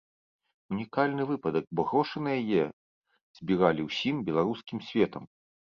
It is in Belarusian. Унікальны выпадак, бо грошы на яе збіралі ўсім беларускім светам.